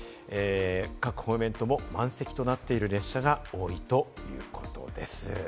各方面とも満席となっている列車が多いということです。